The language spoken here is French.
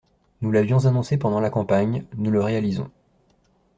Nous l’avions annoncé pendant la campagne, nous le réalisons.